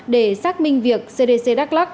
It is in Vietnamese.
để xác minh việc cdc đắk lắc